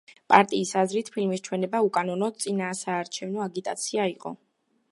პარტიის აზრით, ფილმის ჩვენება უკანონო წინასაარჩევნო აგიტაცია იყო.